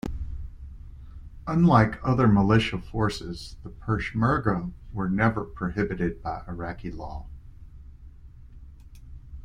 Unlike other militia forces, the "peshmerga" were never prohibited by Iraqi law.